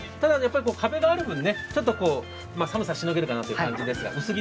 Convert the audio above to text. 壁がある分、寒さがしのげるかなという感じです。